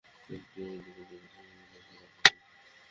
এই লোকটার মাথায় আমি বিনা ভাড়ায় থাকি।